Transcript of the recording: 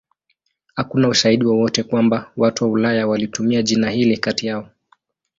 Hakuna ushahidi wowote kwamba watu wa Ulaya walitumia jina hili kati yao.